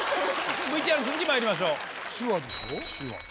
ＶＴＲの続きまいりましょう。